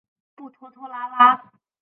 不拖拖拉拉。